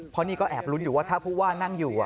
เพราะนี่ก็แอบลุ้นอยู่ว่าถ้าผู้ว่านั่งอยู่